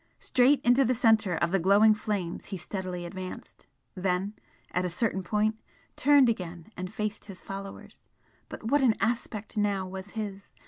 Straight into the centre of the glowing flames he steadily advanced then, at a certain point, turned again and faced his followers. But what an aspect now was his!